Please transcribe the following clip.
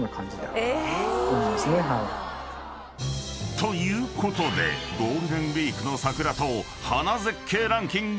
［ということでゴールデンウイークの桜と花絶景ランキング